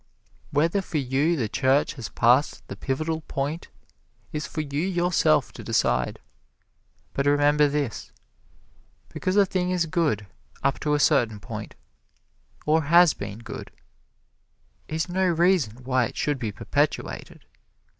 Whether for you the church has passed the Pivotal Point is for you yourself to decide. But remember this, because a thing is good up to a certain point, or has been good, is no reason why it should be perpetuated.